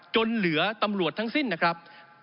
จนเหลือตำรวจทั้งสิ้นนะครับ